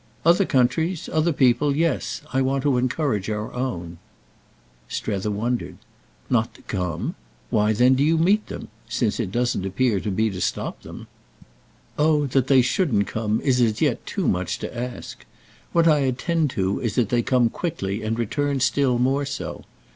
"Other countries. Other people—yes. I want to encourage our own." Strether wondered. "Not to come? Why then do you 'meet' them—since it doesn't appear to be to stop them?" "Oh that they shouldn't come is as yet too much to ask. What I attend to is that they come quickly and return still more so.